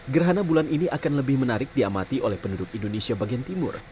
gerhana bulan ini akan lebih menarik diamati oleh penduduk indonesia bagian timur